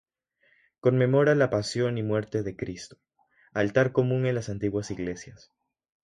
Conmemora la Pasión y Muerte de Cristo, altar común en las antiguas iglesias.